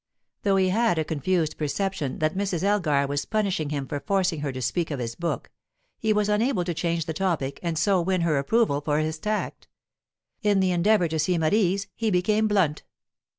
Though he had a confused perception that Mrs. Elgar was punishing him for forcing her to speak of his book, he was unable to change the topic and so win her approval for his tact. In the endeavour to seem at ease, he became blunt.